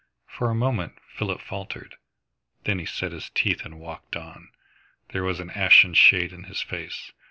For a moment Philip faltered. Then he set his teeth and walked on. There was an ashen shade in his face.